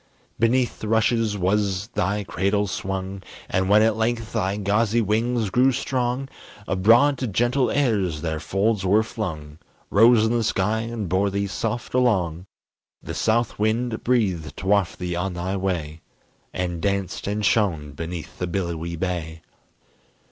Beneath the rushes was they cradle swung, And when at length thy gauzy wings grew strong, Abroad to gentle airs their folds were flung, Rose in the sky and bore thee soft along; The south wind breathed to waft thee on thy way, And danced and shone beneath the billowy bay.